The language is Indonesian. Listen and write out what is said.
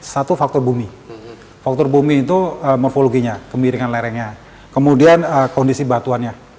satu faktor bumi faktor bumi itu morfologinya kemiringan lerengnya kemudian kondisi batuannya